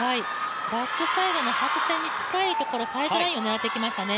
バックサイドの白線に近いところサイドラインを狙ってきましたね。